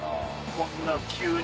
こんな急に。